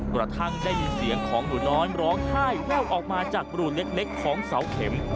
กระทั่งได้ยินเสียงของหนูน้อยร้องไห้แววออกมาจากรูเล็กของเสาเข็ม